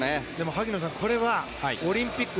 萩野さん、これはオリンピック